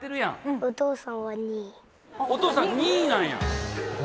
お父さん２位なんや。